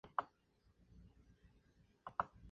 Ambos son miembros del Partido de la Unidad.